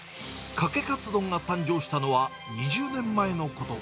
かけかつ丼が誕生したのは、２０年前のこと。